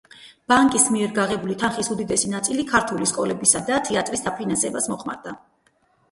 ბანკის მიერ გაღებული თანხის უდიდესი ნაწილი ქართული სკოლებისა და თეატრის დაფინანსებას მოხმარდა.